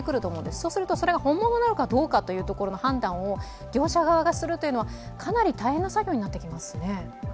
そうするとそれが本物なのかどうかの判断を業者側がするというのはかなり大変な作業になってきますね。